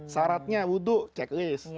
saratnya wudu checklist